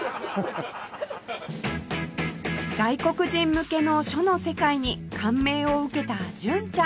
外国人向けの書の世界に感銘を受けた純ちゃん